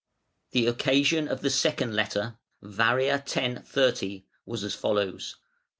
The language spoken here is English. The occasion of the second letter (Var., x., 30.) was as follows.